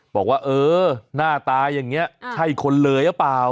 บอกว่าเออหน้าตาอย่างนี้ใช่คนเลยหรือเปล่า